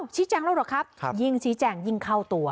ชี้แจงแล้วเหรอครับยิ่งชี้แจงยิ่งเข้าตัว